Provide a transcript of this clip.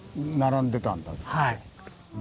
はい。